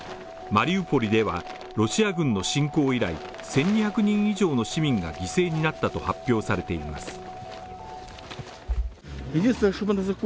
マリウポリでは、ロシア軍の侵攻以来、１２００人以上の市民が犠牲になったと発表されています。